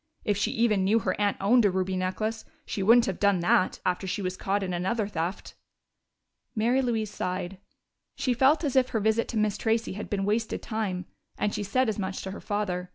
If she even knew her aunt owned a ruby necklace, she wouldn't have done that, after she was caught in another theft." Mary Louise sighed: she felt as if her visit to Miss Tracey had been wasted time, and she said as much to her father.